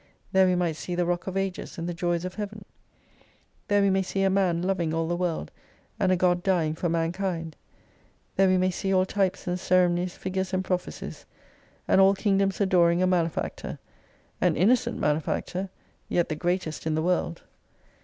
There we might see the Rock of Ages, and the Joys of Heaven. There we may see a Man loving all the world, and a God dying for man kind. There we may see all types and ceremonies, figures and prophecies. And all kingdoms adoring a malefactor : An innocent malefactor, yet the greatest in the world.